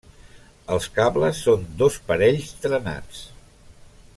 Els cables són dos parells trenats.